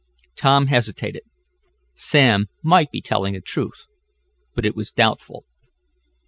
Tom hesitated. Sam might be telling the truth, but it was doubtful.